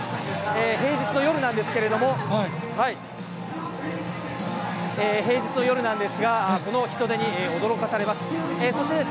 平日の夜なんですけれども、平日の夜なんですが、この人出に驚かされます。